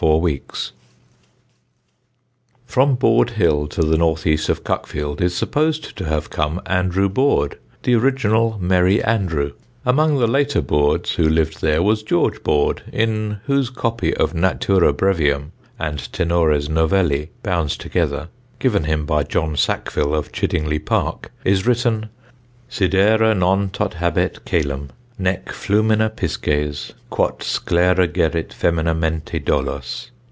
[Sidenote: MERRY ANDREW] From Borde Hill to the north east of Cuckfield, is supposed to have come Andrew Boord, the original Merry Andrew. Among the later Boords who lived there was George Boord, in whose copy of Natura Brevium and Tenores Novelli, bound together (given him by John Sackville of Chiddingly Park) is written: Sidera non tot habet Celum, nec flumina pisces, Quot scelera gerit femina mente dolos.